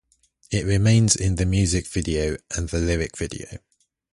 It remains in the music video and the lyric video.